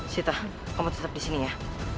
sita kamu tetap di sini ya